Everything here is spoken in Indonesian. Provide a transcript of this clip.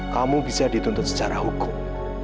kamu bisa dituntut secara hukum